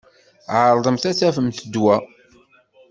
Ɛeṛḍemt ad tafemt ddwa.